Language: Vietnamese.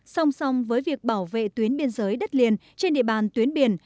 song song với việc bảo vệ tuyến biên giới đất liền trên địa bàn tuyến biển